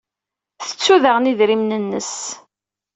Tettu daɣen idrimen-nnes.